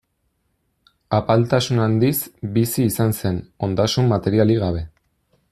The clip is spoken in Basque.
Apaltasun handiz bizi izan zen, ondasun materialik gabe.